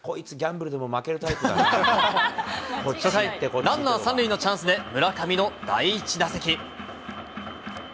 初回、ランナー３塁のチャンスで、村上の第１打席。